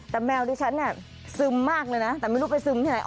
แต่แมวดิฉันเนี่ยซึมมากเลยนะแต่ไม่รู้ไปซึมที่ไหน